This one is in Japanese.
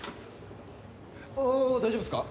ああ大丈夫ですか？